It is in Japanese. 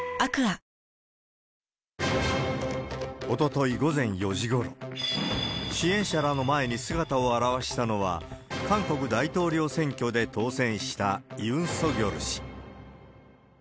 おととい午前４時ごろ、支援者らの前に姿を現したのは、韓国大統領選挙で当選したユン・ソギョル氏。